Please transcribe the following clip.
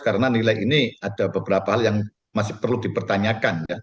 karena nilai ini ada beberapa hal yang masih perlu dipertanyakan